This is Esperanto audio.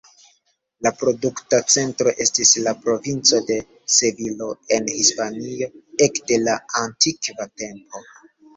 La produkta centro estis la provinco de Sevilo en Hispanio ekde la antikva tempo.